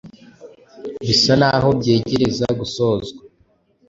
Bisa naho byegereza gusozwa